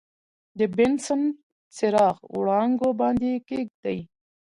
د بنسن چراغ وړانګو باندې یې کیږدئ.